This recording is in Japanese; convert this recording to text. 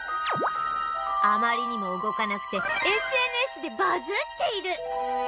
あまりにも動かなくて ＳＮＳ でバズっている